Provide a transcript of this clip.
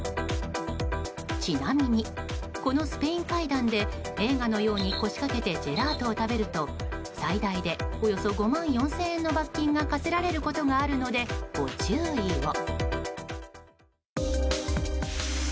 ちなみに、このスペイン階段で映画のように腰かけてジェラートを食べると最大でおよそ５万４０００円の罰金が科せられることがあるのでご注意を。